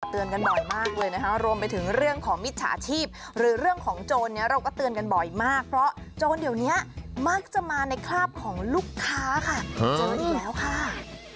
เตือนกันบ่อยมากเลยนะคะรวมไปถึงเรื่องของมิจฉาชีพหรือเรื่องของโจรนี้เราก็เตือนกันบ่อยมากเพราะโจรเดี๋ยวนี้มักจะมาในคราบของลูกค้าค่ะเจออีกแล้วค่ะ